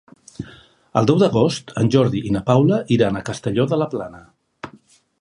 El deu d'agost en Jordi i na Paula iran a Castelló de la Plana.